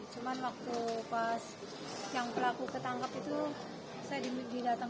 cuma waktu pas yang pelaku ketangkep itu saya didatangin terakhir dia sudah balik